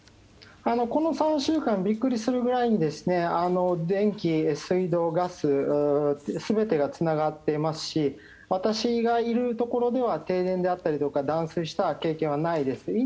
この３週間ビックリするぐらいに電気、水道、ガス全てがつながっていますし私がいるところでは停電であったりとか断水した経験はないです。